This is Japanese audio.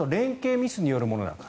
ミスによるものだと。